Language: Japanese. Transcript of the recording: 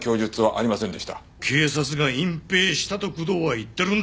警察が隠蔽したと工藤は言ってるんだ！